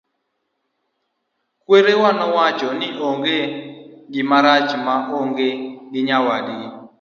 kwarewa nowacho ni onge gimarach ma onge gi nyawadgi